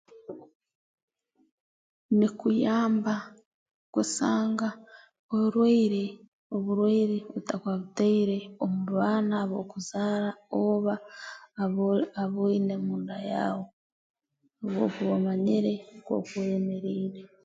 Nikuyamba kusanga orwaire oburwaire otakabutaire omu baana ab'okuzaara oba obol aba ine munda yaawe obu okuba omanyire nkooku oyemeriire